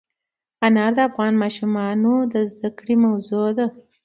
انار د افغان ماشومانو د زده کړې موضوع ده.